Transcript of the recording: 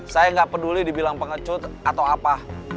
saya nggak peduli dibilang pengecut atau apa